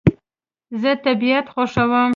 زه طبیعت خوښوم